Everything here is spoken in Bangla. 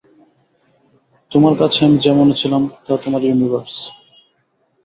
তোমার কাছে আমি যেমনই ছিলাম, তা তোমার ইউনিভার্সে।